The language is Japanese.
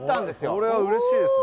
それはうれしいですね。